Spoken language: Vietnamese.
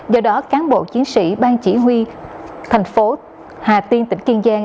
do đó cán bộ chiến sĩ bang chỉ huy thành phố hà tiên tỉnh kiên giang